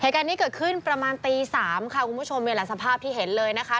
เหตุการณ์นี้เกิดขึ้นประมาณตี๓ค่ะคุณผู้ชมนี่แหละสภาพที่เห็นเลยนะคะ